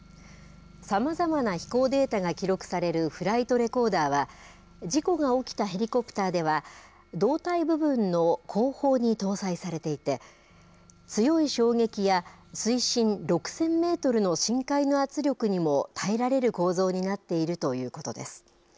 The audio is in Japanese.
さまざまな飛行データが記録されるフライトレコーダーは、事故が起きたヘリコプターでは、胴体部分の後方に搭載されていて、強い衝撃や水深６０００メートルの深海の圧力にも耐えられる構造になっているということです。